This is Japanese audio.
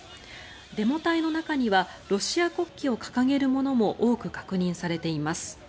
デモ隊の中にはロシア国旗を掲げる者も多く確認されています。